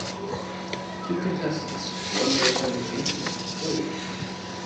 Two contestants, one a returning champion, played.